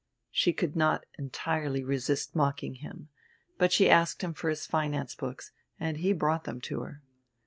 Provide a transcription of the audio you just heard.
She could not entirely resist mocking him, but she asked him for his finance books, and he brought them to her.